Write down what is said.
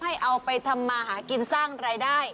เอาไปทำมาหากินสร้างรายได้